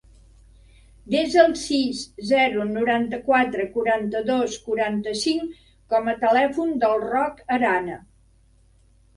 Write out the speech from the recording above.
Desa el sis, zero, noranta-quatre, quaranta-dos, quaranta-cinc com a telèfon del Roc Arana.